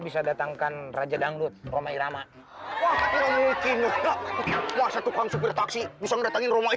bisa datangkan raja ganglut romai rama mungkin langsung tukang supir taksi bisa mendatangi roma